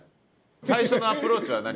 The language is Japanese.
最初のアプローチは何？